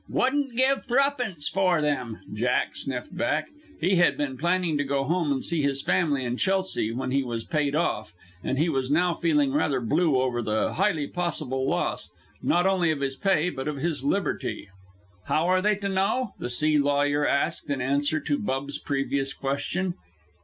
"Wouldn't give thruppence for them!" Jack sniffed back. He had been planning to go home and see his family in Chelsea when he was paid off, and he was now feeling rather blue over the highly possible loss, not only of his pay, but of his liberty. "How are they to know?" the sea lawyer asked in answer to Bub's previous question.